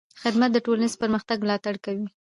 خدمت د ټولنیز پرمختګ ملاتړ کوي.